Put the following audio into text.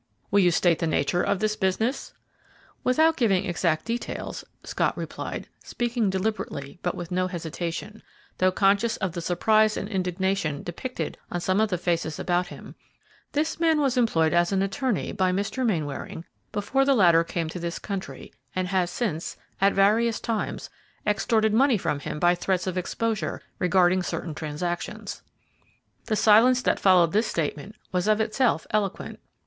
"Will you state the nature of this business?" "Without giving exact details," Scott replied, speaking deliberately but with no hesitation, though conscious of the surprise and indignation depicted on some of the faces about him, "this man was employed as an attorney by Mr. Mainwaring before the latter came to this country, and has since, at various times, extorted money from him by threats of exposure regarding certain transactions." The silence that followed this statement was of itself eloquent.